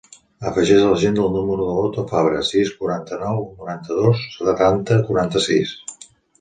Afegeix a l'agenda el número de l'Oto Fabra: sis, quaranta-nou, noranta-dos, setanta, quaranta-sis.